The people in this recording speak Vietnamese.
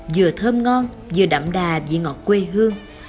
vừa thơm ngon vừa đậm đà vị ngọt quê hương